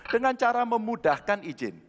dengan cara memudahkan izin